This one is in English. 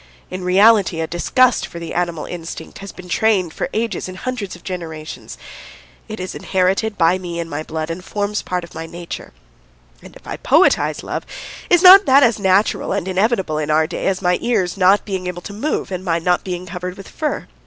In reality, a disgust for the animal instinct has been trained for ages in hundreds of generations; it is inherited by me in my blood and forms part of my nature, and if I poetize love, is not that as natural and inevitable in our day as my ears' not being able to move and my not being covered with fur?